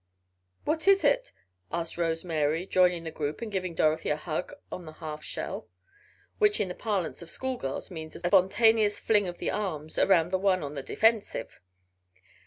"What is it?" asked Rose Mary, joining the group and giving Dorothy a hug "on the half shell," which in the parlance of schoolgirls means a spontaneous fling of the arms around the one on the defensive.